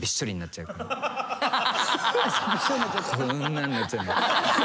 こんなんなっちゃうんで。